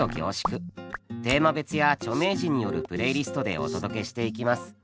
テーマ別や著名人によるプレイリストでお届けしていきます。